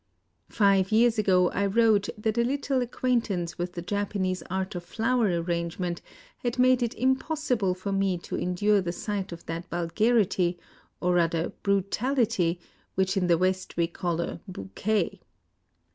Five years ago I wrote that a little acquaintance with the Japanese art of flower arrangement had made it impossible for me to endure the sight of that vulgarity, or rather brutality, which in the West we call a "bouquet."